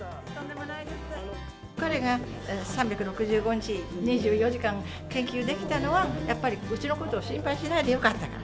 彼が３６５日２４時間研究できたのは、やっぱりうちのことを心配しないでよかったから。